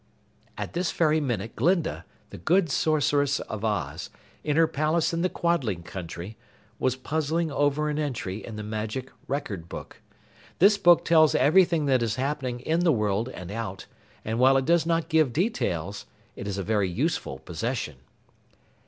At this very minute Glinda, the Good Sorceress of Oz, in her palace in the Quadling Country, was puzzling over an entry in the Magic Record Book. This book tells everything that is happening in the world and out, and while it does not give details, it is a very useful possession.